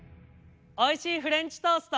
おいしいフレンチトースト。